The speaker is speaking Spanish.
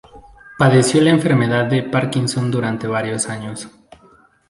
Padeció la enfermedad de Parkinson durante varios años.